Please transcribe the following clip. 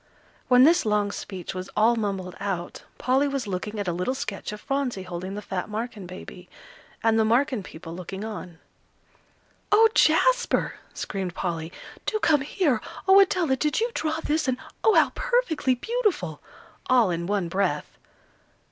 When this long speech was all mumbled out, Polly was looking at a little sketch of Phronsie holding the fat Marken baby, and the Marken people looking on. "Oh, Jasper!" screamed Polly, "do come here! Oh, Adela, did you draw this? And oh! how perfectly beautiful!" all in one breath.